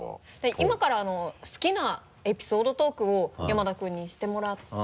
今から好きなエピソードトークを山田君にしてもらって。